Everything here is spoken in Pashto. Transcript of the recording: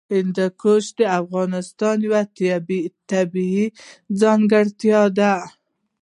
هندوکش د افغانستان یوه طبیعي ځانګړتیا ده.